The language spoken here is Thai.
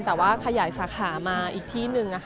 แต่ว่าขยายสาขามาอีกที่หนึ่ง